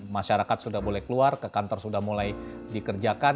masyarakat sudah boleh keluar ke kantor sudah mulai dikerjakan